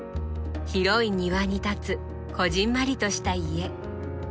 広い庭に建つこぢんまりとした家。